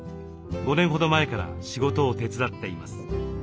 ５年ほど前から仕事を手伝っています。